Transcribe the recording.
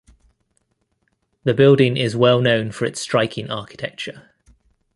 The building is well known for its striking architecture.